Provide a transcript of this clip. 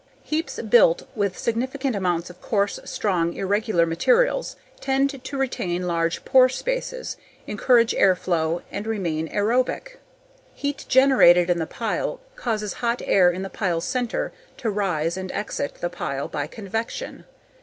Heaps built with significant amounts of coarse, strong, irregular materials tend to retain large pore spaces, encourage airflow and remain aerobic. Heat generated in the pile causes hot air in the pile's center to rise and exit the pile by convection.